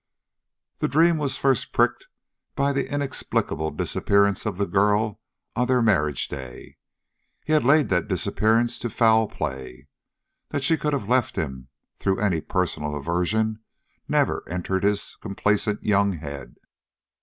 That dream was first pricked by the inexplicable disappearance of the girl on their marriage day. He had laid that disappearance to foul play. That she could have left him through any personal aversion never entered his complacent young head.